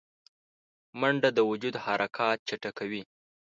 منډه د وجود حرکات چټکوي